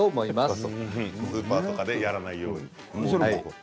スーパーとかでやらないように。